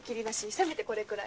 せめてこれくらい。